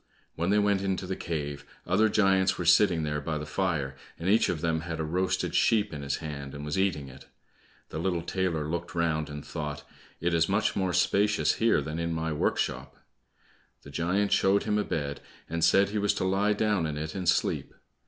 When they went into the cave, other giants were sitting there by the fire, and each of them had a roasted sheep in his hand and was eating it. The little tailor looked round and thought, "It is much more spacious here than in my workshop." The giant showed him a bed, and said he was to lie down in it and sleep.